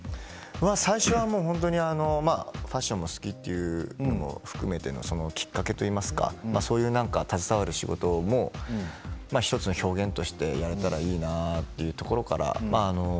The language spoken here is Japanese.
最初はファッションも好きというのも含めてきっかけと言いますか携わる仕事も１つの表現としてやれたらいいなというところから。